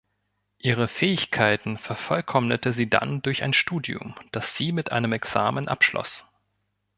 Ihre Fähigkeiten vervollkommnete sie dann durch ein Studium, das sie mit einem Examen abschloss.